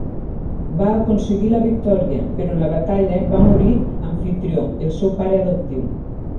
Va aconseguir la victòria, però en la batalla va morir Amfitrió, el seu pare adoptiu.